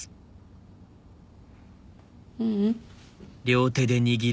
ううん。